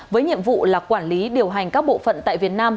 với nhiệm vụ là quản lý điều hành các bộ phận tại việt nam